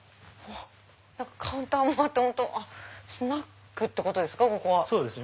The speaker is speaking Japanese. カウンターもあってスナックってことですか